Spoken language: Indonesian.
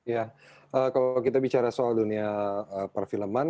ya kalau kita bicara soal dunia perfilman